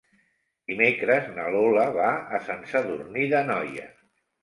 Dimecres na Lola va a Sant Sadurní d'Anoia.